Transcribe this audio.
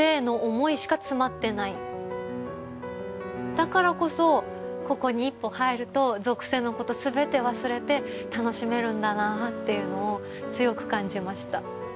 だからこそここに一歩入ると俗世のことすべて忘れて楽しめるんだなっていうのを強く感じました。